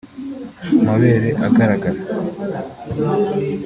amabere agaragara